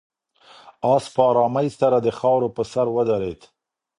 آس په آرامۍ سره د خاورو په سر ودرېد.